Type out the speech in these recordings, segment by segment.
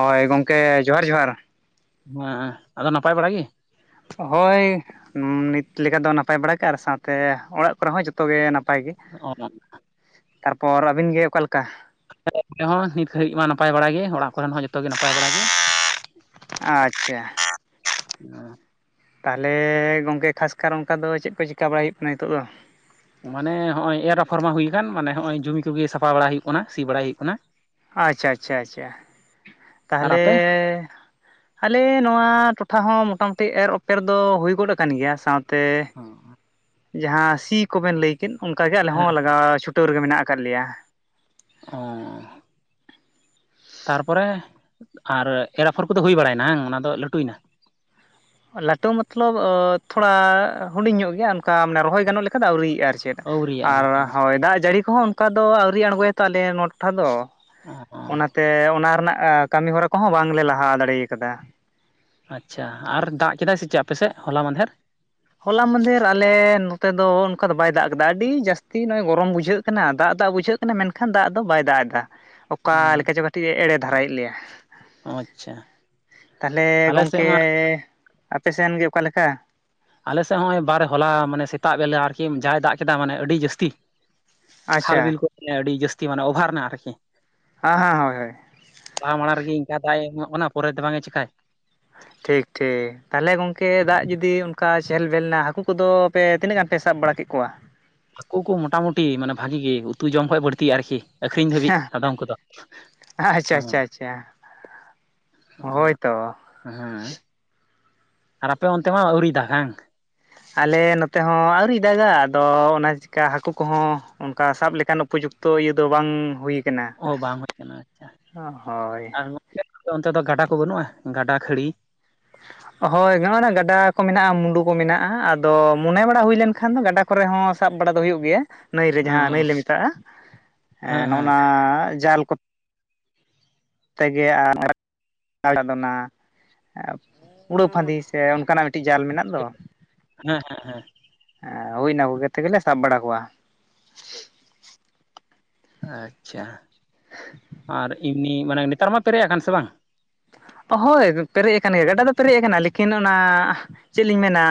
ᱦᱳᱭ ᱜᱚᱢᱠᱮ ᱡᱚᱦᱟᱨ ᱡᱚᱦᱟᱨ ᱢᱟᱸ ᱟᱫᱚ ᱱᱟᱯᱟᱭ ᱵᱟᱲᱟ ᱜᱮ ᱦᱳᱭ ᱱᱤᱛ ᱞᱮᱠᱟ ᱫᱚ ᱱᱟᱯᱟᱭ ᱵᱟᱲᱟ ᱜᱮ ᱟᱨ ᱥᱟᱶᱛᱮ ᱚᱲᱟᱜ ᱠᱚᱨᱮ ᱦᱚᱸ ᱡᱚᱛᱚ ᱛᱚ ᱜᱮ ᱱᱟᱯᱟᱭ ᱜᱮ ᱚ ᱟᱞᱮ ᱛᱟᱨᱯᱚᱨ ᱟᱵᱤᱱ ᱜᱮ ᱚᱠᱟ ᱞᱮᱠᱟ ᱟ. ᱞᱤᱧ ᱦᱚᱸ ᱱᱤᱛ ᱜᱷᱟᱹᱨᱤᱡ ᱢᱟ ᱱᱟᱯᱟᱭ ᱵᱟᱲᱟᱟᱜ ᱜᱮ ᱚᱲᱟᱜ ᱠᱚᱨᱮᱱ ᱦᱚᱸ ᱡᱚᱛᱚᱜ ᱜᱮ ᱱᱟᱯᱟᱭ ᱵᱟᱲᱟ ᱜᱮ ᱟᱪᱪᱷᱟ ᱛᱟᱦᱚᱞᱮ ᱜᱚᱝᱠᱮ ᱠᱷᱟᱥᱠᱟᱨ ᱚᱱᱠᱟ ᱫᱚ ᱪᱮᱫ ᱠᱚ ᱪᱤᱠᱠᱟ ᱵᱟᱲᱟᱭ ᱦᱩᱭᱩᱜ ᱠᱟᱱᱟ ᱱᱤᱛᱚᱜ ᱫᱚ ᱢᱟᱱᱮ ᱦᱚᱸᱜᱼᱚᱭ ᱮᱨ ᱟᱯᱷᱚᱨ ᱢᱟ ᱦᱩᱭᱠᱟᱱ ᱢᱟᱱᱮ ᱦᱚᱸᱜᱼᱚᱭ ᱡᱩᱢᱤ ᱠᱚᱜᱮ ᱥᱟᱯᱷᱟ ᱵᱟᱲᱟᱭ ᱦᱩᱭᱩᱜ ᱠᱟᱱᱟ ᱥᱤ ᱵᱟᱲᱟᱭ ᱦᱩᱭᱩᱜ ᱠᱟᱱᱟ ᱟᱪᱷᱟ ᱟᱪᱪᱷᱟ ᱟᱪᱷᱟ ᱟᱨ ᱛᱟᱦᱚᱞᱮ ᱟᱯᱮ ᱟᱞᱮ ᱱᱚᱣᱟ ᱴᱚᱴᱷᱟ ᱦᱚᱸ ᱢᱚᱴᱟᱢᱩᱴᱤ ᱮᱨ ᱚᱯᱮᱨ ᱫᱚ ᱦᱩᱭ ᱜᱚᱫ ᱟᱠᱟᱱ ᱜᱮᱭᱟ ᱥᱟᱶᱛᱮ ᱚ ᱡᱟᱦᱟᱸ ᱥᱤ ᱠᱚᱵᱮᱱ ᱞᱟᱹᱭ ᱠᱮᱫ ᱚᱱᱠᱟᱜᱮ ᱟᱞᱮ ᱦᱮᱸ ᱦᱚᱸ ᱞᱟᱜᱟᱣ ᱪᱷᱩᱴᱟᱹᱣ ᱨᱮᱜᱮ ᱢᱮᱱᱟᱜ ᱟᱠᱟᱫ ᱞᱮᱭᱟ ᱳᱻ ᱛᱟᱨᱯᱚᱨᱮ ᱟᱨ ᱮᱨ ᱟᱯᱷᱚᱨ ᱠᱚᱫᱚ ᱦᱩᱭ ᱵᱟᱲᱟᱭᱮᱱᱟ ᱟᱝ ᱚᱱᱟ ᱫᱚ ᱞᱟᱹᱴᱩᱭᱱᱟ ᱞᱟᱹᱴᱩ ᱢᱚᱛᱞᱚᱵᱽ ᱛᱷᱚᱲᱟ ᱦᱩᱰᱤᱧ ᱧᱚᱜ ᱜᱮᱭᱟ ᱚᱱᱠᱟ ᱢᱟᱱᱮ ᱨᱚᱦᱚᱭ ᱜᱟᱱᱚᱜ ᱞᱮᱠᱟ ᱫᱚ ᱟᱹᱣᱨᱤᱭᱟᱜᱼᱟ ᱪᱮᱫ ᱟᱨ ᱟᱹᱣᱨᱤᱭᱟᱜᱼᱟ ᱚ ᱦᱳᱭ ᱫᱟᱜ ᱡᱟᱹᱲᱤ ᱠᱚᱦᱚᱸ ᱚᱱᱠᱟ ᱫᱚ ᱟᱹᱣᱨᱤ ᱟᱬᱜᱚᱭᱟᱭ ᱛᱚ ᱟᱞᱮ ᱱᱚᱣᱟ ᱴᱚᱴᱷᱟ ᱫᱚ ᱚ ᱚᱱᱟᱛᱮ ᱚᱱᱟ ᱨᱮᱱᱟᱜ ᱠᱟᱹᱢᱤ ᱦᱚᱨᱟ ᱠᱚᱦᱚᱸ ᱵᱟᱝᱞᱮ ᱞᱟᱦᱟ ᱫᱟᱲᱮᱭ ᱠᱟᱫᱟ ᱟᱪᱪᱷᱟ ᱟᱨ ᱫᱟᱜ ᱠᱮᱫᱟᱭ ᱥᱮ ᱪᱮᱫ ᱟᱯᱮᱥᱮᱫ ᱦᱚᱞᱟ ᱢᱟᱸᱫᱷᱮᱨ ᱦᱚᱞᱟ ᱢᱟᱫᱮᱨ ᱟᱞᱮ ᱱᱚᱛᱮ ᱫᱚ ᱚᱱᱠᱟ ᱫᱚ ᱵᱟᱭ ᱫᱟᱜ ᱠᱟᱫᱟ ᱟᱹᱰᱤ ᱡᱟᱹᱥᱛᱤ ᱱᱚᱜᱼᱚᱭ ᱜᱚᱨᱚᱢ ᱵᱩᱡᱷᱟᱹᱜ ᱠᱟᱱᱟ ᱫᱟᱜ ᱫᱟᱜ ᱵᱩᱡᱷᱟᱹᱜ ᱢᱮᱱᱠᱷᱟᱱ ᱫᱟᱜ ᱫᱚ ᱵᱟᱭ ᱫᱟᱜ ᱮᱫᱟ ᱚᱠᱟ ᱞᱮᱠᱟ ᱪᱚ ᱠᱟᱹᱴᱤᱡ ᱮ ᱮᱲᱮ ᱫᱷᱟᱨᱟᱭᱮᱫ ᱞᱮᱭᱟ ᱚ ᱟᱪᱪᱷᱟ ᱛᱟᱦᱚᱞᱮ ᱟᱞᱮ ᱥᱮᱫ ᱜᱚᱝᱠᱮ ᱢᱟ ᱟᱯᱮ ᱥᱮᱱ ᱜᱮ ᱚᱠᱟᱞᱮᱠᱟ ᱟᱞᱮᱥᱮᱫ ᱦᱚᱸᱜ-ᱚᱭ ᱵᱟᱨᱮ ᱦᱚᱞᱟ ᱢᱟᱱᱮ ᱥᱮᱛᱟᱜ ᱵᱮᱞᱟ ᱟᱨᱠᱤ ᱡᱟᱭ ᱫᱟᱜ ᱠᱮᱫᱟ ᱢᱟᱱᱮ ᱟᱹᱰᱤ ᱡᱟᱹᱥᱛᱤ ᱠᱷᱟᱞ ᱟᱪᱪᱷᱟ ᱵᱤᱞ ᱠᱚ ᱢᱟᱱᱮ ᱟᱹᱰᱤ ᱡᱟᱹᱥᱛᱤ ᱢᱟᱱᱮ ᱚᱵᱷᱟᱨ ᱱᱟ ᱟᱨᱠᱤ ᱦᱮᱸ ᱦᱮᱸ ᱦᱳᱭ ᱦᱳᱭ ᱞᱟᱦᱟ ᱢᱟᱲᱟᱝ ᱨᱮᱜᱮ ᱤᱱᱠᱟ ᱫᱟᱜ ᱮ ᱮᱢᱚᱜ ᱠᱟᱱᱟ ᱯᱚᱨᱮ ᱛᱮ ᱵᱟᱝ ᱮ ᱪᱮᱠᱟᱭ ᱴᱷᱤᱠ ᱴᱷᱤᱠ ᱛᱟᱦᱞᱮ ᱜᱚᱝᱠᱮ ᱫᱟᱜ ᱡᱩᱫᱤ ᱚᱱᱠᱟ ᱪᱮᱦᱮᱞ ᱵᱮᱞᱱᱟ ᱦᱟᱹᱠᱩ ᱠᱚᱫᱚ ᱯᱮ ᱛᱤᱱᱟᱹᱜ ᱜᱟᱱ ᱯᱮ ᱥᱟᱵ ᱵᱟᱲᱟ ᱠᱮᱫ ᱠᱚᱣᱟ ᱦᱟᱹᱠᱩ ᱠᱚ ᱢᱚᱴᱟᱢᱩᱴᱤ ᱢᱟᱱᱮ ᱵᱷᱟᱜᱤ ᱜᱮ ᱩᱛᱩ ᱡᱚᱢ ᱠᱷᱚᱡ ᱵᱟᱹᱲᱛᱤ ᱟᱨᱠᱤ ᱟᱹᱠᱷᱨᱤᱧ ᱫᱷᱟᱹᱵᱤᱡ ᱟᱫᱚᱢ ᱠᱚᱫᱚ ᱟᱪᱪᱷᱟ ᱦᱮᱸ ᱦᱳᱭ ᱛᱚ ᱦᱮᱸ ᱟᱨ ᱟᱯᱮ ᱚᱱᱛᱮ ᱢᱟ ᱟᱹᱣᱨᱤᱭ ᱫᱟᱜᱽ ᱦᱟᱝ ᱟᱞᱮ ᱱᱚᱛᱮ ᱦᱚᱸ ᱟᱹᱣᱨᱤ ᱫᱟᱜᱟ ᱟᱫᱚ ᱚᱱᱟ ᱪᱤᱠᱟ ᱦᱟᱹᱠᱩ ᱠᱚᱦᱚᱸ ᱚᱱᱠᱟ ᱥᱟᱵ ᱞᱮᱠᱟᱱ ᱩᱯᱚᱡᱩᱠᱛᱚ ᱛᱚ ᱤᱭᱟᱹ ᱫᱚ ᱵᱟᱝ ᱦᱩᱭ ᱠᱟᱱᱟ ᱚ ᱵᱟᱝ ᱦᱩᱭ ᱠᱟᱱᱟ ᱟᱪᱪᱷᱟ ᱦᱳᱭ ᱟᱨ ᱚᱱᱛᱮ ᱫᱚ ᱜᱟᱰᱟ ᱠᱚ ᱵᱟᱹᱱᱩᱜᱼᱟ ᱜᱟᱰᱟ ᱠᱷᱟᱹᱲᱤ ᱦᱳᱭ ᱦᱚᱜᱼ ᱱᱟ ᱜᱟᱰᱟ ᱠᱚ ᱢᱮᱱᱟᱜᱼᱟ ᱢᱩᱰᱩ ᱠᱚ ᱢᱮᱱᱟᱜᱼᱟ ᱟᱫᱚ ᱢᱚᱱᱮ ᱵᱟᱲᱟ ᱦᱩᱭ ᱞᱮᱱᱠᱷᱟᱱ ᱫᱚ ᱜᱟᱰᱟ ᱠᱚᱨᱮ ᱦᱚᱸ ᱥᱟᱵ ᱵᱟᱲᱟ ᱫᱚ ᱦᱩᱭᱩᱜ ᱜᱮᱭᱟ ᱱᱟᱹᱭ ᱨᱮ ᱚ ᱡᱟᱦᱟᱸ ᱱᱟᱹᱭ ᱞᱮ ᱢᱮᱛᱟᱜᱼᱟ ᱦᱮᱸ ᱱᱚᱜᱼ ᱦᱮᱸ ᱱᱟ ᱡᱟᱞ ᱠᱚᱼᱼ ᱛᱮᱜᱮ ᱟ [inaudible] ᱱᱟ ᱯᱩᱲᱟᱹ ᱯᱷᱟᱹᱫᱤ ᱥᱮ ᱚᱱᱠᱟᱱᱟᱜ ᱢᱤᱫᱴᱤᱡ ᱡᱟᱞ ᱢᱮᱱᱟᱜ ᱫᱟ ᱢᱟ ᱦᱮᱸ ᱦᱩᱭ ᱱᱟ ᱵᱳᱜᱮ ᱛᱮᱜᱮᱞᱮ ᱥᱟᱵ ᱵᱟᱲᱟ ᱠᱚᱣᱟ ᱟᱪᱪᱷᱟ ᱟᱨ ᱮᱢᱱᱤ ᱢᱟᱱᱮ ᱱᱮᱛᱟᱨ ᱢᱟ ᱯᱮᱨᱮᱡ ᱟᱠᱟᱱ ᱥᱮ ᱵᱟᱝ ᱦᱳᱭ ᱯᱮᱨᱮᱡ ᱟᱠᱟᱱ ᱜᱮᱭᱟ ᱜᱟᱰᱟ ᱫᱚ ᱯᱮᱨᱮᱡ ᱟᱠᱟᱱᱟ ᱞᱮᱠᱤᱱ ᱚᱱᱟ ᱪᱮᱫ ᱞᱤᱧ ᱢᱮᱱᱟ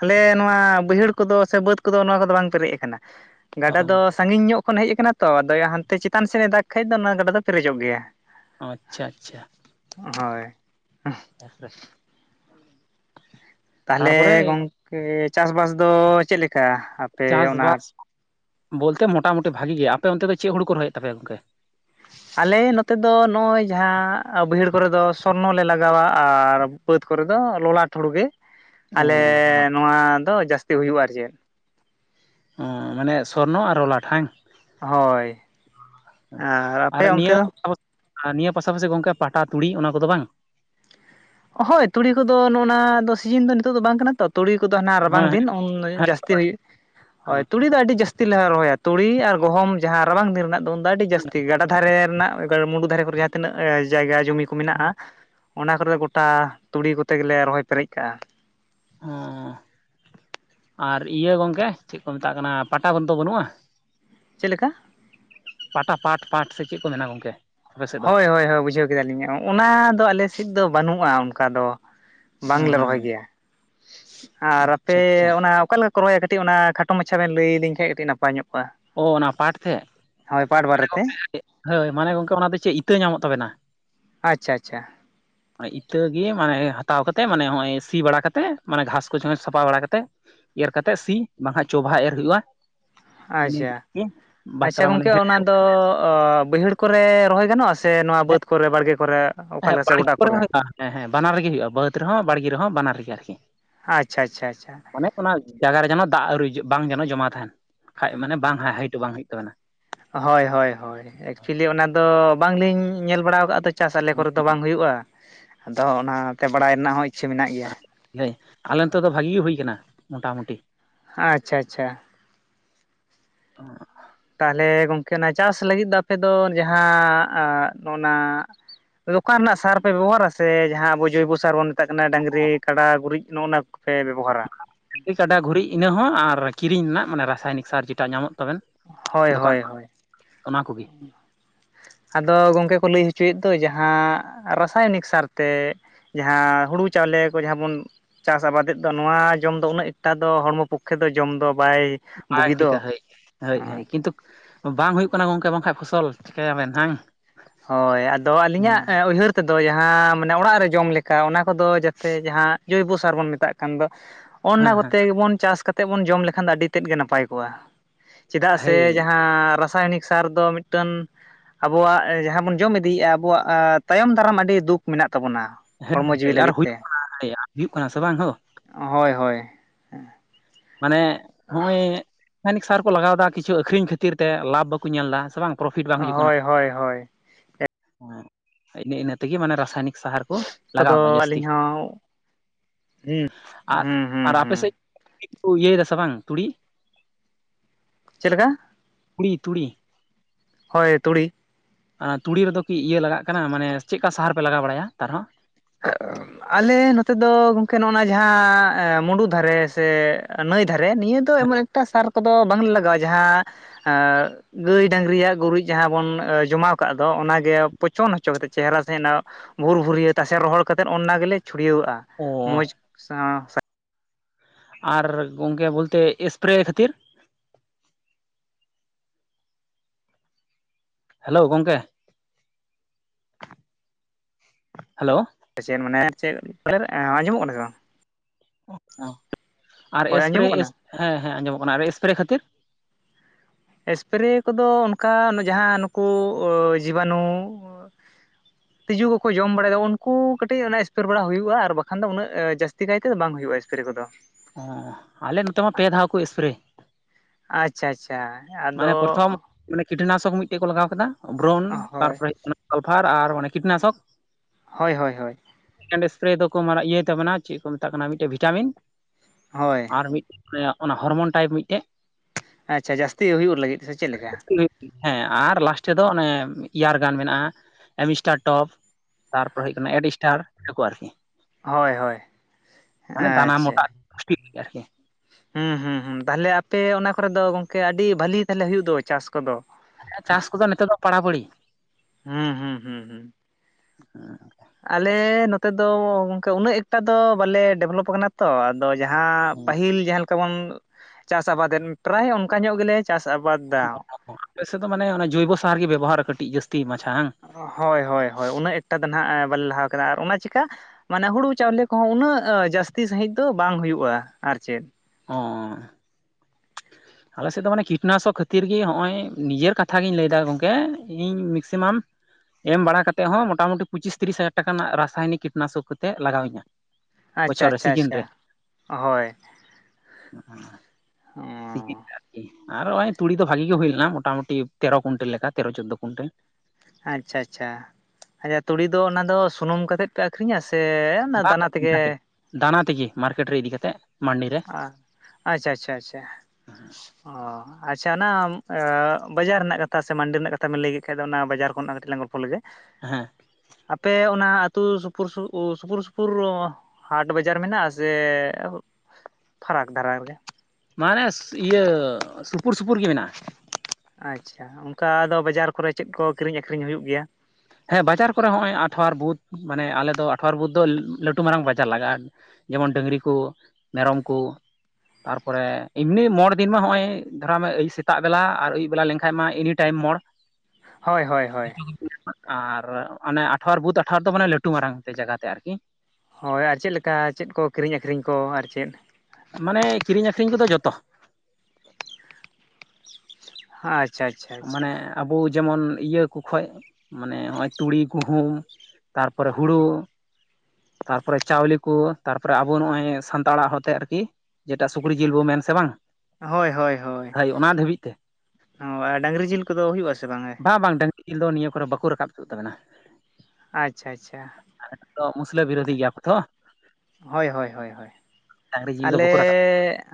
ᱦᱟᱞᱮ ᱱᱚᱣᱟ ᱵᱟᱹᱭᱦᱟᱹᱲ ᱠᱚᱫᱚ ᱥᱮ ᱵᱟᱹᱫᱽ ᱠᱚᱫᱚ ᱱᱚᱣᱟ ᱠᱚᱫᱚ ᱵᱟᱝ ᱯᱮᱨᱮᱡ ᱟᱠᱟᱱᱟ ᱜᱟᱰᱟ ᱚ ᱫᱚ ᱥᱟᱺᱜᱤᱧ ᱧᱚᱜ ᱠᱷᱚᱱ ᱦᱮᱡ ᱟᱠᱟᱱᱟ ᱛᱚ ᱫᱚᱭᱟ ᱦᱟᱱᱛᱮ ᱪᱮᱛᱟᱱ ᱥᱮᱫᱮ ᱫᱟᱜᱽ ᱠᱷᱟᱡ ᱫᱚ ᱚᱱᱟ ᱜᱟᱰᱟ ᱫᱚ ᱯᱮᱨᱮᱡᱚᱜ ᱜᱮᱭᱟ ᱚᱸ ᱟᱪᱪᱷᱟ ᱟᱪᱪᱷᱟ ᱚᱸᱦᱚᱭ ᱦᱮᱸᱥᱮ ᱛᱟᱦᱚᱞᱮ ᱜᱚᱝᱠᱮ ᱪᱟᱥᱵᱟᱥ ᱫᱚ ᱪᱮᱫᱞᱮᱠᱟ? ᱪᱟᱥᱵᱟᱥ ᱵᱚᱞᱛᱮ ᱢᱚᱴᱟᱢᱩᱴᱤ ᱵᱷᱟᱜᱤ ᱜᱮ ᱟᱯᱮ ᱚᱱᱛᱮ ᱫᱚ ᱪᱮᱫ ᱦᱩᱲᱩ ᱠᱚ ᱨᱚᱦᱚᱭᱮᱫ ᱛᱟᱯᱮᱭᱟ ᱜᱚᱝᱠᱮ? ᱟᱞᱮ ᱱᱚᱛᱮ ᱫᱚ ᱱᱚᱜᱼᱚᱭ ᱡᱟᱦᱟᱸ ᱵᱟᱹᱭᱦᱟᱹᱲ ᱠᱚᱨᱮ ᱫᱚ ᱥᱚᱱᱱᱚ ᱞᱮ ᱞᱟᱜᱟᱣᱟ ᱟᱨ ᱵᱟᱹᱫᱽ ᱠᱚᱨᱮ ᱫᱚ ᱞᱚᱞᱟᱴ ᱦᱩᱲᱩᱜᱮ ᱚ ᱟᱞᱮ ᱱᱚᱣᱟ ᱫᱚ ᱡᱟᱹᱥᱛᱤ ᱦᱩᱭᱩᱜᱼᱟ ᱟᱨ ᱪᱮ ᱦᱩᱸ ᱢᱟᱱᱮ ᱥᱚᱱᱱᱚ ᱟᱨ ᱞᱚᱞᱟᱴ ᱦᱟᱸᱡᱽ ᱦᱳᱭ ᱟᱨ ᱟᱯᱮ ᱚᱱᱛᱮ ᱫᱚ? ᱟᱨ ᱱᱤᱭᱟᱹ ᱯᱟᱥᱟᱯᱟᱥᱤ ᱜᱚᱝᱠᱮ ᱯᱟᱴᱟ ᱛᱩᱲᱤ ᱚᱱᱟ ᱠᱚᱫᱚ ᱵᱟᱝ? ᱦᱳᱭ ᱛᱩᱲᱤ ᱠᱚᱫᱚ ᱱᱚᱱᱟ ᱫᱚ ᱥᱤᱡᱤᱱ ᱫᱚ ᱱᱤᱛᱚᱜ ᱫᱚ ᱵᱟᱝ ᱠᱟᱱᱟ ᱛᱚ ᱛᱩᱲᱤ ᱠᱚᱫᱚ ᱦᱟᱱᱟ ᱨᱟᱵᱟᱝ ᱦᱮᱸ ᱫᱤᱱ ᱩᱱ ᱡᱟᱹᱥᱛᱤ ᱦᱩᱭᱩᱜ ᱦᱳᱭ ᱦᱮᱸ ᱛᱩᱲᱤ ᱫᱚ ᱟᱹᱰᱤ ᱡᱟᱹᱥᱛᱤ ᱞᱮ ᱨᱚᱦᱚᱭᱟ ᱛᱩᱲᱤ ᱟᱨ ᱜᱚᱦᱚᱢ ᱡᱟᱦᱟᱸ ᱨᱟᱵᱟᱝ ᱫᱤᱱ ᱨᱮᱱᱟᱜ ᱫᱚ ᱟᱹᱰᱤ ᱡᱟᱹᱥᱛᱤ ᱜᱟᱰᱟ ᱫᱷᱟᱨᱮ ᱨᱮᱱᱟᱜ ᱢᱩᱸᱰᱩ ᱫᱷᱟᱨᱮ ᱠᱚᱨᱮ ᱡᱟᱦᱟᱸ ᱛᱤᱱᱟᱹᱜ ᱡᱟᱭᱜᱟ ᱡᱚᱢᱤ ᱠᱚ ᱢᱮᱱᱟᱜᱼᱟ ᱚᱱᱟ ᱠᱚᱨᱮ ᱜᱚᱴᱟ ᱛᱩᱲᱤ ᱠᱚᱛᱮ ᱜᱮᱞᱮ ᱨᱚᱦᱚᱭ ᱯᱮᱨᱮᱡ ᱠᱟᱜᱼᱟ ᱚᱸᱻ ᱟᱨ ᱤᱭᱟᱹ ᱜᱚᱝᱠᱮ ᱪᱮᱫ ᱠᱚ ᱢᱮᱛᱟᱜ ᱠᱟᱱᱟ ᱯᱟᱴᱟ ᱠᱚᱫᱫᱚ ᱵᱟᱹᱱᱩᱜᱼᱟ ᱪᱮᱫ ᱞᱮᱠᱟ? ᱯᱟᱴᱟ ᱯᱟᱴ ᱯᱟᱴ ᱥᱮ ᱪᱮᱫ ᱠᱚ ᱢᱮᱱᱟ ᱜᱚᱝᱠᱮ? ᱟᱯᱮ ᱥᱮᱫ ᱫᱚ ᱦᱳᱭ ᱦᱳᱭ ᱦᱳᱭ ᱵᱩᱡᱷᱟᱹᱣ ᱠᱮᱫᱟᱞᱤᱧ ᱚᱱᱟ ᱫᱚ ᱟᱞᱮ ᱥᱮᱫ ᱫᱚ ᱵᱟᱹᱱᱩᱜᱼᱟ ᱚᱱᱠᱟ ᱫᱚ ᱚ ᱵᱟᱝᱞᱮ ᱨᱚᱦᱚᱭ ᱜᱮᱭᱟ ᱟᱨ ᱟᱯᱮ ᱟᱪᱪᱷᱟ ᱟᱪᱪᱷᱟ ᱚᱱᱟ ᱚᱠᱟᱞᱮᱼ ᱠᱚ ᱨᱚᱦᱚᱭᱟ ᱠᱟᱹᱴᱤᱡ ᱚᱱᱟ ᱠᱷᱟᱴᱚ ᱢᱟᱪᱷᱟ ᱵᱮᱱ ᱞᱟᱹᱭ ᱟᱹᱞᱤᱧ ᱠᱷᱟᱱ ᱠᱟᱹᱴᱤᱡ ᱟᱹᱰᱤ ᱱᱟᱯᱟᱭ ᱧᱚᱜ ᱠᱚᱜᱼᱟ ᱚ ᱚᱱᱟ ᱯᱟᱴ ᱛᱮᱫ ᱯᱟᱴ ᱦᱳᱭ ᱵᱟᱨᱮᱛᱮ ᱜᱚᱝᱠᱮ ᱠᱟᱹᱴᱤᱜ ᱦᱳᱭ ᱜᱚᱝᱠᱮ ᱚᱱᱟ ᱫᱚ ᱪᱮᱫ ᱤᱛᱟᱹ ᱧᱟᱢᱚᱜ ᱛᱟᱵᱮᱱᱟ? ᱟᱪᱪᱷᱟ ᱟᱪᱪᱷᱟ ᱤᱛᱟᱹ ᱜᱮ ᱢᱟᱱᱮ ᱦᱟᱛᱟᱣ ᱠᱟᱛᱮᱜ ᱢᱟᱱᱮ ᱱᱚᱜᱼᱚᱭ ᱥᱤ ᱵᱟᱲᱟ ᱠᱟᱛᱮᱜ ᱢᱟᱱᱮ ᱜᱷᱟᱥ ᱠᱚ ᱡᱳᱢᱮᱥ ᱥᱟᱯᱷᱟ ᱵᱟᱲᱟ ᱠᱟᱛᱮ ᱮᱨ ᱠᱟᱛᱮ ᱥᱤ ᱵᱟᱝᱠᱷᱟᱱ ᱪᱳᱵᱷᱟ ᱮᱨ ᱦᱩᱭᱩᱜᱼᱟ ᱟᱪᱟ ᱤᱱᱟᱹᱜᱮ ᱟᱪᱪᱷᱟ ᱵᱟᱛᱨᱟ ᱢᱟᱱᱮ ᱜᱚᱝᱠᱮ ᱦᱮᱸ ᱚᱱᱟ ᱫᱚ ᱵᱟᱹᱭᱦᱟᱹᱲ ᱠᱚᱨᱮ ᱨᱚᱦᱚᱭ ᱜᱟᱱᱚᱜᱼᱟ ᱥᱮ? ᱡᱮ ᱱᱚᱣᱟ ᱵᱟᱹᱫᱽ ᱠᱚᱨᱮ ᱵᱟᱲᱜᱮ ᱠᱚᱨᱮ ᱚᱠᱟ ᱦᱮᱸ ᱞᱮᱠᱟ ᱥᱮ ᱵᱟᱲᱜᱮ ᱜᱚᱰᱟ ᱦᱚᱸ ᱠᱚᱨᱮ? ᱦᱩᱭᱩᱜᱼᱟ ᱦᱮᱸ ᱦᱮᱸ ᱵᱟᱱᱟᱨᱜᱮ ᱦᱩᱭᱩᱜᱼᱟ ᱵᱟᱹᱫᱽ ᱨᱮᱦᱚᱸ ᱵᱟᱲᱜᱮ ᱨᱮᱦᱚᱸ ᱵᱟᱱᱟᱨ ᱨᱮᱜᱮ ᱟᱨᱠᱤ ᱟᱪᱪᱷᱟ ᱟᱪᱪᱷᱟ ᱟᱪᱪᱷᱟ ᱢᱟᱱᱮ ᱚᱱᱟ ᱡᱟᱭᱜᱟ ᱨᱮ ᱡᱮᱱᱚ ᱫᱟᱜ ᱟᱹᱨᱤ ᱵᱟᱝ ᱡᱮᱱᱚ ᱡᱚᱢᱟ ᱛᱟᱦᱮᱱ ᱠᱷᱟᱡ ᱢᱟᱱᱮ ᱵᱟᱝ ᱦᱟ ᱦᱟᱭᱤᱴ ᱵᱟᱝ ᱦᱩᱭᱩᱜ ᱛᱟᱵᱮᱱᱟ ᱦᱳᱭ ᱦᱳᱭ ᱦᱭ ᱮᱠᱪᱩᱭᱮᱞᱤ ᱚᱱᱟ ᱫᱚ ᱵᱟᱝᱞᱤᱧ ᱧᱮᱞ ᱵᱟᱲᱟ ᱠᱟᱣᱫᱟᱜᱼᱟ ᱫᱚ ᱪᱟᱥ ᱟᱞᱮ ᱠᱚᱨᱮᱫ ᱫᱚ ᱵᱟᱝ ᱦᱩᱭᱩᱜᱼᱟ ᱟᱫᱚ ᱚᱱᱟᱛᱮ ᱵᱟᱲᱟᱭ ᱨᱮᱱᱟᱜ ᱦᱚᱸ ᱤᱪᱪᱷᱟᱹ ᱢᱮᱱᱟᱜ ᱜᱮᱭᱟ ᱞᱮᱭ ᱟᱞᱮ ᱱᱚᱛᱮ ᱫᱚ ᱵᱷᱟᱜᱤ ᱜᱮ ᱦᱩᱭ ᱟᱠᱟᱱᱟ ᱢᱚᱴᱟᱢᱩᱸᱴᱤ ᱟᱪᱪᱷᱟ ᱟᱪᱪᱷᱟ [unintelligible] ᱛᱟᱦᱚᱞᱮ ᱜᱚᱝᱠᱮ ᱚᱱᱟ ᱪᱟᱥ ᱞᱟᱹᱜᱤᱫ ᱫᱚ ᱟᱯᱮ ᱫᱚ ᱡᱟᱦᱟᱸ ᱚᱱᱟ ᱫᱚᱠᱟᱱ ᱨᱮᱱᱟᱜ ᱥᱟᱨ ᱯᱮ ᱵᱮᱵᱚᱦᱟᱨᱟ ᱥᱮ ᱡᱟᱦᱟᱸ ᱟᱵᱚ ᱡᱚᱭᱵᱚ ᱥᱟᱨ ᱵᱚᱱ ᱢᱮᱛᱟᱜ ᱠᱟᱱᱟ ᱰᱟᱺᱝᱨᱤ ᱠᱟᱰᱟ ᱜᱩᱨᱤᱡ ᱱᱚᱜᱼᱚᱱᱟ ᱠᱚᱯᱮ ᱵᱮᱵᱚᱦᱟᱨᱟ? ᱠᱟᱹᱭ ᱥᱟᱴᱟ ᱜᱷᱩᱨᱤᱡ ᱤᱱᱟᱹ ᱦᱚᱸ ᱟᱨ ᱠᱤᱨᱤᱧ ᱨᱮᱱᱟᱜ ᱢᱟᱱᱮ ᱨᱟᱥᱟᱭᱱᱤᱠ ᱥᱟᱨ ᱡᱮᱴᱟ ᱧᱟᱢᱚᱜ ᱛᱟᱵᱮᱱ ᱦᱳᱭ ᱫᱚᱠᱟᱱ ᱦᱳᱭ ᱠᱷᱟᱱ ᱦᱳᱭ ᱚᱱᱟ ᱠᱚᱜᱮ ᱟᱫᱚ ᱜᱚᱝᱠᱮ ᱠᱚ ᱞᱟᱹᱭ ᱦᱚᱪᱚᱭᱮᱫ ᱫᱚ ᱡᱟᱦᱟᱸ ᱨᱟᱥᱟᱭᱚᱱᱤᱠ ᱥᱟᱨᱛᱮ ᱡᱟᱦᱟᱸ ᱦᱩᱲᱩ ᱪᱟᱣᱞᱮ ᱠᱚ ᱡᱟᱦᱟᱸ ᱵᱩᱱ ᱪᱟᱥ ᱟᱵᱟᱫᱮᱫ ᱫᱚ ᱱᱚᱣᱟ ᱡᱚᱢ ᱫᱚ ᱩᱱᱟᱹᱜ ᱮᱠᱴᱟ ᱫᱚ ᱦᱚᱲᱢᱚ ᱯᱚᱠᱠᱷᱮ ᱫᱚ ᱡᱚᱢ ᱫᱚ ᱵᱟᱭ ᱵᱟᱝ ᱵᱩᱜᱤ ᱴᱷᱤᱠᱟ ᱫᱚ ᱦᱟᱹᱭ ᱦᱟᱹᱭ ᱠᱤᱱᱛᱩ ᱵᱟᱝ ᱦᱩᱭᱩᱜ ᱠᱟᱱᱟ ᱜᱚᱝᱠᱮ ᱵᱟᱝᱠᱷᱟᱱ ᱯᱷᱚᱥᱚᱞ ᱪᱤᱠᱟᱹᱭᱟᱵᱮᱱ ᱦᱟᱸᱝ ᱦᱳᱭ ᱟᱫᱚ ᱟᱹᱞᱤᱧᱟᱜ ᱩᱭᱦᱟᱹᱨ ᱛᱮᱫᱚ ᱡᱟᱦᱟᱸ ᱢᱟᱱᱮ ᱚᱲᱟᱜ ᱨᱮ ᱡᱚᱢ ᱞᱮᱠᱟ ᱚᱱᱟ ᱠᱚᱫᱚ ᱡᱟᱛᱮ ᱡᱟᱦᱟᱸ ᱡᱚᱭᱵᱚ ᱥᱟᱨ ᱵᱚᱱ ᱢᱮᱛᱟᱜ ᱠᱟᱱ ᱫᱚ ᱚᱱᱟ ᱦᱮᱸ ᱦᱮᱸ ᱠᱚᱛᱮ ᱜᱮ ᱵᱚᱱ ᱪᱟᱥ ᱠᱟᱛᱮᱜ ᱵᱚᱱ ᱡᱚᱢ ᱞᱮᱠᱷᱟᱱ ᱫᱚ ᱟᱹᱰᱤ ᱛᱮᱫ ᱜᱮ ᱱᱟᱯᱟᱭ ᱠᱚᱜ-ᱟ᱾ ᱪᱮᱫᱟᱜ ᱥᱮ ᱦᱳᱭ ᱡᱟᱦᱟᱸ ᱨᱟᱥᱟᱭᱚᱱᱤᱠ ᱥᱟᱨ ᱫᱚ ᱢᱤᱫᱴᱟᱝ ᱟᱵᱚᱣᱟᱜ ᱡᱟᱦᱟᱸ ᱵᱚᱱ ᱡᱚᱢ ᱤᱫᱤᱭᱮᱜᱼᱟ ᱟᱵᱚᱣᱟᱜ ᱛᱟᱭᱚᱢ ᱫᱟᱨᱟᱢ ᱟᱹᱰᱤ ᱫᱩᱠ ᱢᱮᱱᱟᱜ ᱛᱟᱵᱚᱱᱟ᱾ ᱦᱮᱸ ᱦᱚᱲᱢᱚ ᱡᱤᱣᱤ ᱟᱨ ᱞᱟᱹᱜᱤᱫ ᱛᱮ ᱦᱩᱭᱩᱜ ᱠᱟᱱᱟ ᱦᱩᱭᱩᱜ ᱠᱟᱱᱟ ᱥᱮ ᱵᱟᱝ ᱦᱚᱸ? ᱦᱳᱭ ᱦᱳᱭ ᱢᱟᱱᱮ ᱦᱚᱜᱼᱚᱭ ᱠᱷᱟᱱᱤᱠ ᱥᱟᱨ ᱠᱚ ᱞᱟᱜᱟᱣᱮᱫᱟ ᱠᱤᱪᱷᱩ ᱟᱹᱠᱷᱨᱤᱧ ᱠᱷᱟᱹᱛᱤᱨ ᱛᱮ ᱞᱟᱵᱷ ᱵᱟᱠᱚ ᱧᱮᱞ ᱮᱫᱟ ᱥᱮ ᱵᱟᱝ? ᱯᱨᱚᱯᱷᱤᱴ ᱵᱟᱝ ᱦᱤᱡᱩᱜ ᱠᱟᱱᱟ ᱦᱳᱭ ᱦᱳᱭ ᱦᱳᱭ ᱤᱱᱟᱹ ᱤᱱᱟᱹ ᱛᱮᱜᱮ ᱢᱟᱱᱮ ᱨᱟᱥᱟᱭᱚᱱᱤᱠ ᱥᱟᱨ ᱠᱚ ᱞᱟᱜᱟᱣᱫᱟ ᱠᱚᱫᱚ ᱡᱟᱹᱥᱛᱤ ᱟᱹᱞᱤᱧ ᱦᱚᱸ ᱦᱩᱸ ᱟᱨ ᱦᱩᱸ ᱦᱩᱸ ᱟᱨ ᱟᱯᱮ ᱦᱩᱸ ᱥᱮᱫ ᱤᱭᱟᱹᱭ ᱫᱟ ᱥᱮ ᱵᱟᱝ ᱛᱩᱲᱤ? ᱪᱮᱫ ᱞᱮᱠᱟ? ᱛᱩᱲᱤ ᱛᱩᱲᱤ ᱦᱳᱭ ᱛᱩᱲᱤ ᱛᱩᱲᱤ ᱨᱮᱫᱚ ᱠᱤ ᱤᱭᱟᱹ ᱞᱟᱜᱟᱜ ᱠᱟᱱᱟ ᱢᱟᱱᱮ ᱪᱮᱫᱠᱟ ᱥᱟᱨ ᱯᱮ ᱞᱟᱜᱟᱣ ᱵᱟᱲᱟᱭᱟ ᱛᱟᱨᱦᱚᱸ ᱟᱞᱮ ᱱᱚᱛᱮ ᱫᱚ ᱜᱚᱝᱠᱮ ᱱᱚᱜ-ᱱᱟ ᱡᱟᱦᱟᱸ ᱢᱩᱸᱰᱩ ᱫᱷᱟᱨᱮ ᱥᱮ ᱱᱟᱹᱭ ᱫᱷᱟᱨᱮ ᱱᱤᱭᱟᱹ ᱫᱚ ᱮᱢᱚᱱ ᱮᱠᱴᱟ ᱥᱟᱨ ᱠᱚᱫᱚ ᱵᱟᱝᱞᱮ ᱞᱟᱜᱟᱣᱟ ᱡᱟᱦᱟᱸ ᱜᱟᱹᱭ ᱰᱟᱹᱝᱨᱤᱭᱟᱜ ᱜᱩᱨᱤᱡ ᱡᱟᱦᱟᱸ ᱵᱚᱱ ᱡᱚᱢᱟᱣ ᱠᱟᱜ ᱫᱚ ᱚᱱᱟᱜᱮ ᱯᱚᱪᱚᱱ ᱦᱚᱪᱚ ᱠᱟᱛᱮᱫ ᱪᱮᱦᱮᱨᱟ ᱥᱟᱺᱦᱤᱡ ᱱᱚᱜ ᱵᱷᱳᱩᱨ ᱵᱷᱩᱨᱭᱟᱹ ᱛᱟᱥᱮ ᱨᱚᱦᱚᱲ ᱠᱟᱛᱮᱫ ᱚᱱᱟ ᱜᱮᱞᱮ ᱪᱷᱩᱲᱭᱟᱹᱣᱟᱜ-ᱟ ᱚ ᱢᱚᱸᱡᱽ ᱟᱨ ᱜᱚᱢᱠᱮ ᱵᱚᱞᱛᱮ ᱮᱥᱯᱨᱮ ᱠᱷᱟᱹᱛᱤᱨ ᱦᱮᱞᱳ ᱜᱚᱝᱠᱮ, ᱦᱮᱞᱳ ᱪᱮᱫ ᱢᱟᱱᱮ ᱪᱮᱫ ᱟᱸᱡᱚᱢᱚᱜ ᱠᱟᱱᱟ ᱥᱮ ᱵᱟᱝ? ᱟᱨ ᱦᱳᱭ ᱟᱸᱡᱚᱢᱚᱜ ᱮᱥᱯᱨᱮ ᱠᱟᱱᱟ ᱦᱮᱸ ᱦᱮᱸ ᱟᱸᱡᱚᱢᱚᱜ ᱠᱟᱱᱟ ᱟᱨ ᱮᱥᱯᱨᱮ ᱠᱷᱟᱹᱛᱤᱨ ᱮᱥᱯᱨᱮ ᱠᱚᱫᱚ ᱚᱝᱠᱟ ᱡᱟᱦᱟᱸ ᱱᱩᱠᱩ ᱡᱤᱵᱟᱱᱩ [inaudible] ᱛᱤᱡᱩ ᱠᱚᱠᱚ ᱡᱚᱢ ᱵᱟᱲᱟᱭᱮᱫᱟ ᱩᱱᱠᱩ ᱠᱟᱹᱴᱤᱡ ᱚᱱᱟ ᱮᱥᱯᱨᱮ ᱵᱟᱲᱟ ᱦᱩᱭᱩᱜ-ᱟ ᱟᱨ ᱵᱟᱠᱷᱟᱱ ᱫᱚ ᱩᱱᱟᱹᱜ ᱡᱟᱹᱥᱛᱤ ᱠᱟᱭᱛᱮ ᱫᱚ ᱵᱟᱝ ᱦᱩᱭᱩᱜ-ᱟ ᱮᱥᱯᱨᱮ ᱠᱚᱫᱚ᱾ ᱚᱻ ᱟᱞᱮ ᱱᱚᱛᱮ ᱢᱟ ᱯᱮ ᱫᱷᱟᱣ ᱠᱚ ᱥᱯᱮᱨᱮᱭ ᱾ ᱟᱪᱪᱷᱟ ᱟᱪᱪᱷᱟ [unintelligible] ᱢᱟᱱᱮ ᱯᱨᱚᱛᱷᱚᱢ ᱢᱟᱱᱮ ᱠᱤᱴᱱᱟᱥᱚᱠ ᱢᱤᱫᱴᱮᱡ ᱠᱚ ᱞᱟᱜᱟᱣ ᱠᱮᱫᱟ ᱵᱨᱳᱱ ᱦᱳᱭ ᱛᱟᱨᱯᱚᱨᱮ ᱦᱩᱭᱩᱜ ᱠᱟᱱᱟ ᱟᱞᱯᱷᱟᱨ ᱟᱨ ᱚᱱᱮ ᱠᱤᱴᱱᱟᱥᱚᱠ ᱾ ᱦᱳᱭ ᱦᱳᱭ ᱦᱳᱭ ᱮᱱ ᱮᱥᱯᱨᱮ ᱫᱚᱠᱚ ᱤᱭᱟᱹᱭ ᱛᱟᱵᱮᱱᱟ ᱪᱮᱫ ᱠᱚ ᱢᱮᱛᱟᱜ ᱠᱟᱱᱟ ᱢᱤᱫᱴᱮᱱ ᱵᱷᱤᱴᱟᱢᱤᱱ ᱾ ᱦᱳᱭ ᱟᱨ ᱢᱤᱫ ᱚᱱᱟ ᱦᱚᱨᱢᱚᱱ ᱴᱟᱭᱤᱯ ᱢᱤᱫᱴᱮᱜ ᱟᱪᱪᱷᱟ ᱡᱟᱹᱥᱛᱤ ᱦᱩᱭᱩᱜ ᱞᱟᱹᱜᱤᱫ ᱾ [inaudible] ᱟᱨ ᱞᱟᱥᱴ ᱫᱚ ᱚᱱᱮ ᱤᱭᱟᱨ ᱜᱟᱱ ᱢᱮᱱᱟᱜ-ᱟ ᱢᱤᱥᱴᱟᱨ ᱴᱚᱯ ᱛᱟᱨᱯᱚᱨ ᱦᱩᱭᱩᱜ ᱠᱟᱱᱟ ᱮᱰ ᱮᱥᱴᱟᱨ ᱱᱤᱭᱟᱹ ᱠᱚ ᱟᱨᱠᱤ ᱦᱳᱭ ᱦᱳᱭ ᱢᱟᱱᱮ ᱫᱟᱱᱟ ᱟᱪᱪᱷᱟ ᱢᱚᱴᱟᱜ [inaudible] ᱦᱩᱸ ᱦᱩᱸ ᱦᱩᱸ ᱛᱟᱦᱚᱞᱮ ᱟᱯᱮ ᱚᱱᱟ ᱠᱚᱨᱮ ᱫᱚ ᱜᱚᱝᱠᱮ ᱟᱹᱰᱤ ᱵᱷᱟᱞᱤ ᱛᱟᱦᱚᱞᱮ ᱦᱩᱭᱩᱜ ᱫᱚ ᱪᱟᱥ ᱠᱚᱫᱚ ᱪᱟᱥ ᱠᱚᱫᱚ ᱱᱤᱛᱚᱜ ᱫᱚ ᱯᱟᱲᱟᱯᱟᱲᱤ ᱦᱩᱸ ᱦᱩᱸ ᱦᱩᱸ [inaudible] ᱟᱞᱮ ᱱᱚᱛᱮ ᱫᱚ ᱜᱚᱝᱠᱮ ᱩᱱᱟᱹᱜ ᱮᱠᱴᱟ ᱫᱚ ᱵᱟᱞᱮ ᱰᱮᱵᱷᱞᱚᱯ ᱟᱠᱟᱱᱟ ᱛᱚ ᱟᱫᱚ ᱡᱟᱦᱟᱸ ᱯᱟᱹᱦᱤᱞ ᱡᱟᱦᱟᱸ ᱞᱮᱠᱟ ᱵᱩᱱ ᱪᱟᱥ ᱟᱵᱟᱫᱮᱫ ᱯᱨᱟᱭ ᱚᱱᱠᱟ ᱧᱚᱜ ᱜᱮᱞᱮ ᱪᱟᱥ ᱟᱵᱟᱫᱽ [inaudible] ᱟᱯᱮ ᱥᱮᱫ ᱫᱚ ᱢᱟᱱᱮ ᱚᱱᱟ ᱡᱚᱭᱵᱚᱥᱟᱨ ᱜᱮ ᱵᱮᱵᱚᱦᱟᱨ ᱠᱟᱹᱴᱤᱡ ᱡᱟᱹᱥᱛᱤ ᱢᱟᱪᱷᱟ ᱦᱟᱝ ᱦᱳᱭ ᱦᱳᱭ ᱦᱳᱭ ᱩᱱᱟᱹᱜ ᱮᱠᱴᱟ ᱫᱚ ᱱᱟᱦᱟᱜ ᱵᱟᱞᱮ ᱞᱟᱦᱟ ᱟᱠᱟᱫᱟ ᱟᱨ ᱚᱱᱟ ᱪᱤᱠᱟ ᱢᱟᱱᱮ ᱦᱩᱲᱩ ᱪᱟᱣᱞᱮ ᱠᱚᱦᱚᱸ ᱩᱱᱟᱹᱜ ᱡᱟᱹᱥᱛᱤ ᱥᱟᱺᱦᱤᱡ ᱫᱚ ᱵᱟᱝ ᱦᱩᱭᱩᱜ-ᱟ ᱟᱨ ᱪᱮᱫ ᱦᱚᱸ ᱟᱞᱮ ᱥᱮᱫ ᱫᱚ ᱢᱟᱱᱮ ᱠᱤᱴᱱᱟᱥᱚᱠ ᱠᱷᱟᱹᱛᱤᱨ ᱜᱮ ᱱᱚᱜ-ᱚᱭ ᱱᱤᱡᱮᱨ ᱠᱟᱛᱷᱟ ᱜᱤᱧ ᱞᱟᱹᱭᱫᱟ ᱜᱚᱢᱠᱮ ᱤᱧ ᱢᱮᱠᱥᱤᱢᱟᱢ ᱮᱢ ᱵᱟᱲᱟ ᱠᱟᱛᱮᱫ ᱦᱚᱸ ᱢᱚᱴᱟ ᱢᱩᱴᱤ ᱯᱚᱸᱪᱤᱥ ᱛᱤᱨᱤᱥ ᱦᱟᱡᱟᱨ ᱴᱟᱠᱟ ᱨᱮᱱᱟᱜ ᱨᱟᱥᱟᱭᱚᱱᱤᱠ ᱠᱤᱴᱱᱟᱥᱚᱠ ᱠᱚᱛᱮ ᱞᱟᱜᱟᱣᱤᱧᱟᱹ ᱵᱚᱪᱷᱚᱨ ᱟᱪᱪᱷᱟ ᱨᱮ ᱟᱪᱪᱷᱟ ᱥᱤᱡᱤᱱ ᱟᱪᱪᱷᱟ ᱨᱮ ᱦᱳᱭ ᱦᱚᱸ ᱥᱤᱡᱤᱱ ᱟᱨᱠᱤ ᱟᱨ ᱱᱚᱜ-ᱚᱭ ᱛᱩᱲᱤ ᱫᱚ ᱵᱷᱟᱜᱤ ᱜᱮ ᱦᱩᱭ ᱞᱮᱱᱟ ᱢᱚᱴᱟᱢᱩᱴᱤ ᱛᱮᱨᱚ ᱠᱩᱭᱤᱱᱴᱮᱞ ᱞᱮᱠᱟ ᱛᱮᱨᱚ ᱪᱳᱫᱽᱫᱳ ᱠᱩᱭᱤᱱᱴᱮᱞ ᱟᱪᱪᱷᱟ ᱟᱪᱪᱷᱟ, ᱟᱪᱪᱷᱟ ᱛᱩᱲᱤ ᱫᱚ ᱚᱱᱟ ᱫᱚ ᱥᱩᱱᱩᱢ ᱠᱟᱛᱮᱫ ᱯᱮ ᱟᱠᱷᱨᱤᱧᱟ ᱥᱮ ᱚᱱᱟ ᱫᱟᱱᱟ [unintelligible] ᱛᱮᱜᱮ ᱫᱟᱱᱟ ᱛᱮᱜᱮ ᱢᱟᱨᱠᱮᱴ ᱨᱮ ᱤᱫᱤ ᱠᱟᱛᱮ ᱢᱟᱱᱰᱤ ᱨᱮ ᱟᱪᱪᱷᱟ ᱟᱪᱪᱷᱟ ᱟᱪᱪᱷᱟ ᱚ ᱟᱪᱪᱷᱟ, ᱚᱱᱟ ᱵᱟᱡᱟᱨ ᱨᱮᱱᱟᱜ ᱠᱟᱛᱷᱟ ᱥᱮ ᱢᱟᱱᱰᱤ ᱨᱮᱱᱟᱜ ᱠᱟᱛᱷᱟ ᱵᱮᱱ ᱞᱟᱹᱭ ᱠᱮᱫ ᱠᱷᱟᱱ ᱫᱚ ᱚᱱᱟ ᱵᱟᱡᱟᱨ ᱠᱷᱚᱱᱟᱜ ᱠᱟᱹᱴᱤᱡ ᱞᱟᱝ ᱜᱚᱞᱯᱚ ᱞᱮᱜᱮ ᱦᱮᱸ ᱟᱯᱮ ᱚᱱᱟ ᱟᱹᱛᱩ ᱥᱩᱯᱩᱨ ᱥᱩᱯᱩᱨ ᱥᱩᱯᱩᱨ ᱦᱟᱴ ᱵᱟᱡᱟᱨ ᱢᱮᱱᱟᱜ-ᱟ ᱥᱮ ᱯᱷᱟᱨᱟᱠ ᱫᱷᱟᱨᱟ ᱨᱮᱜᱮ? ᱢᱟᱱᱮ ᱤᱭᱟᱹ ᱥᱩᱯᱩᱨ ᱥᱩᱯᱩᱨ ᱜᱮ ᱢᱮᱱᱟᱜ-ᱟ ᱟᱪᱪᱷᱟ, ᱚᱱᱠᱟ ᱫᱚ ᱵᱟᱡᱟᱨ ᱠᱚᱨᱮ ᱪᱮᱫ ᱠᱚ ᱠᱤᱨᱤᱧ ᱟᱹᱠᱷᱨᱤᱧ ᱦᱩᱭᱩᱜ ᱜᱮᱭᱟ? ᱦᱮᱸ ᱵᱟᱡᱟᱨ ᱠᱚᱨᱮ ᱦᱚᱸᱜ-ᱚᱭ ᱟᱴᱷᱣᱟᱨ ᱵᱩᱛ ᱢᱟᱱᱮ ᱟᱞᱮ ᱫᱚ ᱟᱴᱷᱣᱟᱨ ᱵᱩᱛ ᱫᱚ ᱞᱟᱹᱴᱩ ᱢᱟᱨᱟᱝ ᱵᱟᱡᱟᱨ ᱞᱟᱜᱟᱜ-ᱟ ᱡᱮᱢᱚᱱ ᱰᱟᱹᱝᱨᱤ ᱠᱚ ᱢᱮᱨᱚᱢ ᱠᱚ ᱛᱟᱨᱯᱚᱨᱮ ᱮᱢᱱᱤ ᱢᱚᱬ ᱫᱤᱱ ᱢᱟ ᱱᱚᱜ-ᱚᱭ ᱫᱷᱚᱨ ᱢᱮ ᱥᱮᱛᱟᱜ ᱵᱮᱞᱟ ᱟᱨ ᱟᱹᱭᱩᱵ ᱵᱮᱞᱟ ᱞᱮᱱᱠᱷᱟᱱ ᱢᱟ ᱮᱱᱤᱴᱟᱭᱤᱢ ᱢᱚᱬ [unintelligible] ᱦᱳᱭ ᱡᱚᱛᱚ ᱟᱨ ᱚᱱᱮ ᱟᱴᱷᱣᱟᱨ ᱵᱩᱛ ᱟᱴᱷᱣᱟᱨ ᱫᱚ ᱢᱟᱱᱮ ᱞᱟᱹᱴᱩ ᱢᱟᱨᱟᱝ ᱛᱮ ᱡᱟᱭᱜᱟᱛᱮ ᱟᱨ ᱠᱤ ᱦᱳᱭ ᱟᱨ ᱪᱮᱫ ᱞᱮᱠᱟ ᱪᱮᱫᱠᱚ ᱠᱤᱨᱤᱧ ᱟᱹᱠᱷᱨᱤᱧ ᱠᱚ ᱟᱨ ᱪᱮᱫ? ᱢᱟᱱᱮ ᱠᱤᱨᱤᱧ ᱟᱹᱠᱷᱨᱤᱧ ᱠᱚ ᱫᱚ ᱡᱚᱛᱚ ᱟᱪᱪᱷᱟ ᱟᱪᱷᱟ ᱟᱪᱪᱷᱟ ᱢᱟᱱᱮ ᱟᱵᱚ ᱡᱮᱢᱚᱱ ᱤᱭᱟᱹ ᱠᱚ ᱠᱷᱚᱡ ᱢᱟᱱᱮ ᱦᱚᱸᱜ-ᱚᱭ ᱛᱩᱲᱤ ᱜᱩᱦᱩᱢ ᱛᱟᱨ ᱯᱚᱨᱮ ᱦᱩᱲᱩ ᱛᱟᱨᱯᱚᱨᱮ ᱪᱟᱣᱞᱮ ᱠᱚ ᱛᱟᱨᱯᱚᱨᱮ ᱟᱵᱚ ᱱᱚᱜ-ᱚᱭ ᱥᱟᱱᱛᱟᱲᱟᱜ ᱦᱚᱛᱮ ᱟᱨᱠᱤ ᱡᱮᱴᱟ ᱥᱩᱠᱨᱤ ᱡᱤᱞ ᱵᱚᱱ ᱢᱮᱱ ᱥᱮ ᱵᱟᱝ ᱦᱳᱭ ᱦᱳᱭ ᱦᱳᱭ, ᱚᱱᱟ ᱫᱷᱟᱹᱵᱤᱡ ᱛᱮ ᱰᱟᱹᱝᱨᱤ ᱡᱤᱞ ᱠᱚᱫᱚ ᱦᱩᱭᱩᱜ ᱟ ᱥᱮ ᱵᱟᱝ? ᱵᱟᱝ ᱵᱟᱝ ᱰᱟᱝᱨᱤ ᱡᱤᱞ ᱫᱚ ᱱᱤᱭᱟᱹ ᱠᱚᱨᱮ ᱵᱟᱠᱚ ᱨᱟᱠᱟᱵ ᱦᱚᱪᱚ ᱛᱟᱵᱚᱱᱟ ᱟᱪᱪᱷᱟ ᱟᱪᱪᱷᱟ ᱢᱩᱥᱞᱟᱹ ᱵᱤᱨᱚᱫᱷᱤ ᱜᱮᱭᱟ ᱠᱚ ᱛᱚ ᱦᱳᱭ ᱦᱳᱭ ᱦᱳᱭ ᱦᱳᱭ ᱰᱟᱹᱝᱨᱤ ᱡᱤᱞ ᱫᱚ ᱟᱞᱮ ᱵᱟᱠᱚ ᱨᱟᱠᱟᱵ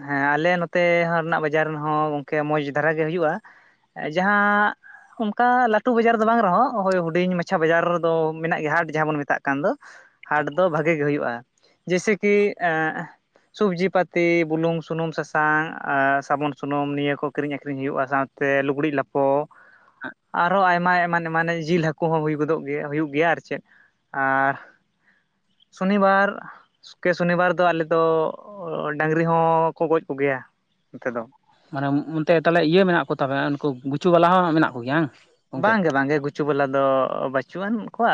ᱦᱮᱸ ᱟᱞᱮ ᱱᱚᱛᱮ ᱨᱮᱱᱟᱜ ᱵᱟᱡᱟᱨ ᱦᱚᱸ ᱜᱚᱝᱠᱮ ᱢᱚᱡᱽ ᱫᱷᱟᱨᱟ ᱜᱮ ᱦᱩᱭᱩᱜ-ᱟ ᱡᱟᱦᱟᱸ ᱚᱱᱠᱟ ᱞᱟᱹᱴᱩ ᱵᱟᱡᱟᱨ ᱫᱚ ᱵᱟᱝ ᱨᱮᱦᱚᱸ ᱦᱳᱭ ᱦᱩᱰᱤᱧ ᱢᱟᱪᱷᱟ ᱵᱟᱡᱟᱨ ᱫᱚ ᱢᱮᱱᱟᱜ ᱜᱮᱭᱟ ᱦᱟᱴ ᱡᱟᱦᱟᱸ ᱵᱚᱱ ᱢᱮᱛᱟᱜ ᱠᱟᱱ ᱠᱟᱱ ᱫᱚ ᱦᱟᱴ ᱫᱚ ᱵᱷᱟᱜᱮ ᱜᱮ ᱦᱩᱭᱩᱜ-ᱟ ᱡᱮᱭᱥᱮ ᱠᱤ ᱥᱚᱵᱽᱡᱤ ᱯᱟᱹᱛᱤ ᱵᱩᱞᱩᱝ ᱥᱩᱱᱩᱢ ᱥᱟᱥᱟᱝ ᱥᱟᱵᱚᱱ ᱥᱩᱱᱩᱢ ᱱᱤᱭᱟᱹ ᱠᱚ ᱠᱤᱨᱤᱧ ᱟᱹᱠᱷᱨᱤᱧ ᱦᱩᱭᱩᱜ-ᱟ ᱥᱟᱶᱛᱮ ᱛᱮ ᱞᱩᱜᱽᱲᱤᱡ ᱞᱟᱯᱚ ᱟᱨᱦᱚᱸ ᱟᱭᱢᱟ ᱮᱢᱟᱱ ᱢᱟᱱᱮ ᱡᱤᱞ ᱦᱟᱹᱠᱩ ᱦᱚᱸ ᱦᱩᱭ ᱜᱚᱫᱚᱜ ᱜᱮᱭᱟ ᱦᱩᱭᱩᱜ ᱜᱮᱭᱟ ᱟᱨ ᱪᱮᱫ ᱟᱨ ᱥᱚᱱᱤᱵᱟᱨ ᱠᱮ ᱥᱚᱱᱤᱵᱟᱨ ᱫᱚ ᱟᱞᱮ ᱫᱚ ᱰᱟᱹᱟᱝᱨᱤ ᱦᱚᱸ ᱠᱚ ᱜᱚᱡ ᱠᱚᱜᱮᱭᱟ ᱱᱚᱛᱮ ᱫᱚ ᱢᱟᱱᱮ ᱚᱱᱛᱮ ᱛᱟᱦᱚᱞᱮ ᱤᱭᱟᱹ ᱢᱮᱱᱟᱜ ᱠᱚ ᱛᱮ ᱩᱱᱠᱩ ᱜᱩᱪᱩ ᱵᱟᱞᱟ ᱦᱚᱸ ᱢᱮᱱᱟᱜ ᱠᱚᱜᱮᱭᱟ ᱵᱟᱝ? ᱜᱚᱝᱠᱮ ᱵᱟᱝ ᱜᱮ ᱵᱟᱝ ᱜᱮ ᱜᱩᱪᱩ ᱵᱟᱞᱟ ᱫᱚ ᱵᱟᱹᱪᱩᱜ ᱟᱱ ᱠᱚᱣᱟ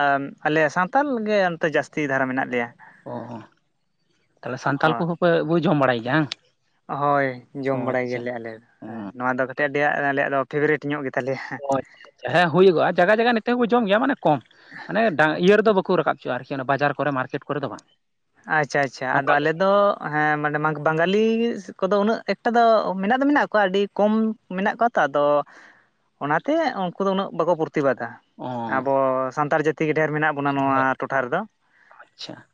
ᱟᱞᱮ ᱥᱟᱱᱛᱟᱞ ᱜᱮ ᱚᱱᱛᱮ ᱡᱟᱹᱥᱛᱤ ᱫᱷᱟᱨᱟ ᱢᱮᱱᱟᱜ ᱞᱮᱭᱟ ᱚ ᱛᱟᱦᱞᱮ ᱥᱟᱱᱛᱟᱞ ᱦᱳᱭ ᱠᱚᱜᱮ ᱯᱮ [unintelligible] ᱡᱚᱢ ᱵᱟᱲᱟᱭ ᱜᱮᱭᱟ ᱵᱟᱝ? ᱦᱳᱭ ᱚ ᱡᱚᱢ ᱵᱟᱲᱟᱭ ᱟᱪᱪᱷᱟ ᱜᱮᱭᱟᱞᱮ ᱟᱞᱮ ᱫᱚ, ᱚ ᱦᱮᱸ ᱱᱚᱣᱟ ᱫᱚ ᱠᱟᱹᱴᱤᱡ ᱟᱞᱮᱭᱟᱜ ᱫᱚ ᱯᱷᱮᱵᱟᱨᱮᱴ ᱧᱚᱜ ᱜᱮᱛᱟᱞᱮᱭᱟ ᱚ ᱟᱪᱪᱷᱟ ᱟᱪᱷᱟ ᱦᱮᱸ ᱦᱩᱭᱩᱜᱚᱜᱼᱟ ᱡᱟᱜᱟ ᱡᱟᱜᱟ ᱱᱤᱛᱚᱜ ᱦᱚᱸ ᱡᱚᱢ ᱜᱮᱭᱟ ᱢᱟᱱᱮ ᱠᱚᱢ ᱢᱟᱱᱮ ᱰᱟᱝ ᱤᱭᱟᱹ ᱨᱮᱫᱚ ᱵᱟᱠᱚ ᱨᱟᱠᱟᱵᱽ ᱪᱚᱣᱟᱜᱼᱟ ᱟᱨᱠᱤ ᱚᱱᱟ ᱵᱟᱡᱟᱨ ᱠᱚᱨᱮ ᱢᱟᱨᱠᱮᱴ ᱠᱚᱨᱮ ᱫᱚ ᱵᱟᱝ ᱟᱪᱪᱷᱟ ᱟᱪᱪᱷᱟ ᱟᱫᱚ ᱞᱳᱠᱟᱞ ᱟᱞᱮ ᱨᱮᱜᱮ ᱫᱚ ᱦᱮᱸ ᱢᱟᱱᱮ ᱢᱟᱜᱷ ᱵᱟᱝᱜᱟᱞᱤᱥ ᱠᱚᱫᱚ ᱩᱱᱟᱹᱜ ᱮᱠᱴᱟ ᱫᱚ ᱢᱮᱱᱟᱜ ᱫᱚ ᱢᱮᱱᱟᱜ ᱠᱚᱣᱟ ᱟᱹᱰᱤ ᱠᱚᱢ ᱢᱮᱱᱟᱜ ᱠᱚᱣᱟ᱾ ᱛᱟᱫᱚ ᱚᱱᱟᱛᱮ ᱩᱱᱠᱩ ᱫᱚ ᱩᱱᱟᱹᱜ ᱵᱟᱠᱚ ᱯᱨᱚᱛᱤᱵᱟᱫᱟ ᱚ ᱟᱵᱚ ᱥᱟᱱᱛᱟᱲ ᱡᱟᱹᱛᱤ ᱜᱮ ᱰᱷᱮᱨ ᱢᱮᱱᱟᱜ ᱵᱚᱱᱟ ᱱᱚᱣᱟ ᱰᱷᱮᱨ ᱴᱚᱴᱷᱟ ᱨᱮᱫᱚ ᱟᱪᱪᱷᱟ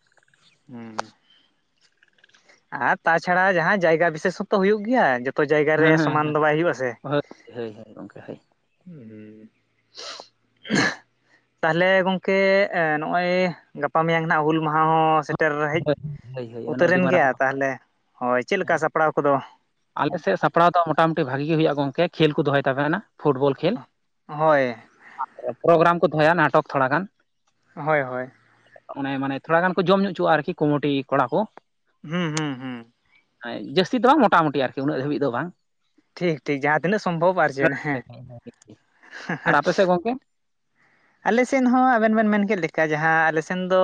ᱦᱮᱸ ᱟᱨ ᱛᱟᱪᱷᱟᱲᱟ ᱡᱟᱦᱟᱸ ᱡᱟᱭᱜᱟ ᱵᱤᱥᱮᱥ ᱦᱚᱸᱛᱚ ᱦᱩᱭᱩᱜ ᱜᱮᱭᱟ ᱡᱚ ᱚᱛᱚ ᱡᱟᱭᱜᱟ ᱨᱮ ᱦᱮᱸ ᱦᱮᱸ ᱥᱚᱢᱟᱱ ᱦᱮᱸ ᱫᱚ ᱵᱟᱭ ᱦᱩᱭᱩᱜ ᱟᱥᱮ ᱦᱳᱭ ᱦᱳᱭ ᱦᱳᱭ ᱜᱚᱝᱠᱮ ᱦᱳᱭ ᱦᱮᱸᱻᱦᱮᱸᱻ [inaudible] ᱛᱟᱦᱞᱮ ᱜᱚᱝᱠᱮ ᱮᱸ ᱱᱚᱜᱼᱚᱭ ᱜᱟᱯᱟ ᱢᱮᱭᱟᱝ ᱱᱷᱟᱜ ᱦᱩᱞ ᱢᱟᱦᱟ ᱦᱚᱸ ᱥᱮᱴᱮᱨ ᱦᱮᱡ ᱦᱳᱭ ᱦᱳᱭ ᱦᱳᱭ ᱚᱱᱟ ᱟᱹᱰᱤ ᱩᱛᱟᱹᱨᱮᱱ ᱢᱟᱨᱟᱝ ᱜᱮᱭᱟ ᱛᱟᱦᱞᱮ ᱦᱳᱭ ᱪᱮᱫ ᱦᱮᱸ ᱞᱮᱠᱟ ᱥᱟᱯᱲᱟᱣ ᱠᱚᱫᱚ ᱟᱞᱮ ᱥᱮᱫ ᱥᱟᱯᱲᱟᱣ ᱫᱚ ᱢᱚᱴᱟᱢᱩᱴᱤ ᱵᱷᱟᱹᱜᱤ ᱜᱮ ᱦᱩᱭᱩᱜᱼᱟ ᱜᱚᱢᱠᱮ ᱠᱷᱮᱞ ᱠᱚ ᱫᱚᱦᱚᱭ ᱛᱟᱦᱮᱱᱟ ᱯᱷᱩᱴᱵᱚᱞ ᱠᱷᱮᱞ ᱦᱳᱭ ᱯᱨᱳᱜᱨᱟᱢ ᱠᱚ ᱫᱚᱦᱚᱭᱟ ᱱᱟᱴᱚᱠ ᱛᱷᱚᱲᱟ ᱜᱟᱱ ᱦᱳᱭ ᱦᱳᱭ ᱚᱱᱮ ᱢᱟᱱᱮ ᱛᱷᱚᱲᱟ ᱜᱟᱱ ᱠᱚ ᱡᱚᱢ ᱧᱩ ᱚᱪᱚᱣᱟᱜᱼᱟ ᱟᱨᱠᱤ ᱠᱩᱢᱩᱴᱤ ᱠᱚᱲᱟ ᱠᱚ ᱦᱩᱸᱻᱦᱩᱸᱻᱦᱩᱸ ᱦᱮᱸ ᱡᱟᱹᱥᱛᱤ ᱫᱚ ᱦᱟᱸᱜ ᱢᱳᱴᱟᱢᱩᱴᱤ ᱟᱨᱠᱤ ᱩᱱᱟᱹᱜ ᱫᱷᱟᱹᱵᱤᱡ ᱫᱚ ᱵᱟᱝ ᱴᱷᱤᱠ ᱴᱷᱤᱠ ᱡᱟᱦᱟᱸ ᱛᱤᱱᱟᱹᱜ ᱥᱚᱢᱵᱷᱚᱵ ᱟᱨ ᱪᱮᱫ ᱦᱮᱸ [unintelligible] ᱟᱨ ᱟᱯᱮ ᱥᱮᱫ ᱜᱚᱝᱠᱮ ᱟᱞᱮ ᱥᱮᱱ ᱦᱚᱸ ᱟᱵᱮᱱ ᱵᱮᱱ ᱢᱮᱱ ᱠᱮᱫ ᱞᱮᱠᱟ ᱡᱟᱦᱟᱸ ᱟᱞᱮ ᱥᱮᱱ ᱫᱚ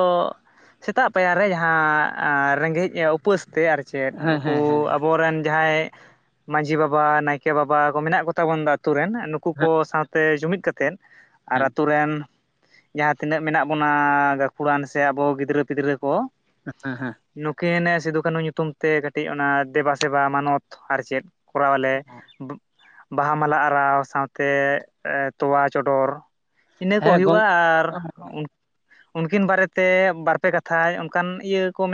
ᱥᱮᱛᱟᱜ ᱯᱟᱭᱟᱨ ᱨᱮ ᱡᱟᱦᱟᱸ ᱟ ᱨᱮᱸᱜᱮᱡ ᱭᱟ ᱩᱯᱟᱹᱥ ᱛᱮ ᱟᱨ ᱪᱮᱫ ᱦᱮᱸ ᱱᱩᱠᱩ ᱦᱮᱸ ᱦᱮᱸ ᱟᱵᱚᱨᱮᱱ ᱡᱟᱦᱟᱸᱭ ᱢᱟᱺᱡᱷᱤ ᱵᱟᱵᱟ ᱱᱟᱭᱠᱮ ᱵᱟᱵᱟ ᱠᱚ ᱢᱮᱱᱟᱜ ᱠᱚ ᱛᱟᱵᱚᱱ ᱫᱚ ᱟᱹᱛᱩ ᱨᱮᱱ ᱱᱩᱠᱩ ᱠᱚ ᱦᱮᱸ ᱥᱟᱶᱛᱮ ᱡᱩᱢᱤᱫᱽ ᱠᱟᱛᱮᱜ ᱦᱮᱸ ᱛᱚ ᱨᱮᱱ ᱡᱟᱦᱟᱸ ᱛᱤᱱᱟᱹᱜ ᱢᱮᱱᱟᱜ ᱵᱚᱱᱟ ᱜᱟᱹᱠᱷᱩᱲᱟᱱ ᱥᱮ ᱟᱵᱚ ᱜᱤᱫᱽᱨᱟᱹ ᱯᱷᱤᱫᱽᱨᱟᱹ ᱠᱚ [unintelligible] ᱱᱩᱠᱤᱱ ᱥᱤᱫᱩ ᱠᱟᱹᱱᱩ ᱧᱩᱛᱩᱢ ᱛᱮ ᱠᱟᱹᱴᱤᱡ ᱚᱱᱟ ᱫᱮᱵᱟ ᱥᱮᱵᱟ ᱢᱟᱱᱚᱛ ᱟᱨ ᱪᱮᱫ ᱠᱚᱨᱟᱣᱟ ᱞᱮ ᱚ ᱵᱟᱦᱟ ᱢᱟᱞᱟ ᱟᱨᱟᱣ ᱥᱟᱶᱛᱮ ᱮ ᱛᱚᱣᱟ ᱪᱚᱰᱚᱨ ᱤᱱᱟᱹ ᱠᱚ ᱦᱮᱸ ᱦᱩᱭᱩᱜᱼᱟ ᱜᱚᱝ ᱟᱨ ᱩᱱ ᱩᱱᱠᱤᱱ ᱵᱟᱨᱮ ᱛᱮ ᱵᱟᱨ ᱯᱮ ᱠᱟᱛᱷᱟᱭ ᱚᱱᱠᱟᱱ ᱤᱭᱟᱹ ᱠᱚ